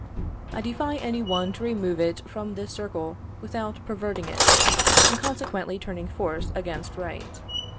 I defy any one to remove it from this circle without perverting it, and consequently turning force against right.